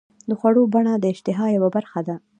د خوړو بڼه د اشتها یوه برخه ده.